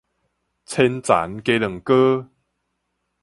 千層雞卵糕